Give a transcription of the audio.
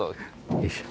よいしょ。